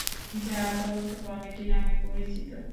যা তদন্ত কমিটি নামে পরিচিত।